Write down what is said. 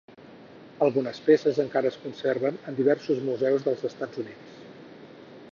Algunes peces encara es conserven en diversos museus dels Estats Units.